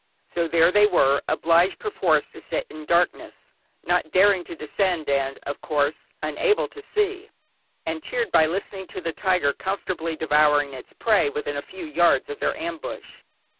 So there they were, obliged, perforce, to sit in darkness, not daring to descend, and of course unable to see, and cheered by listening to the tiger comfortably devouring its prey, within a few yards of their ambush.